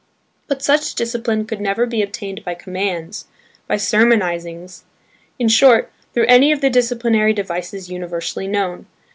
But such discipline could never be obtained by commands, by sermonizings, in short, through any of the disciplinary devices universally known.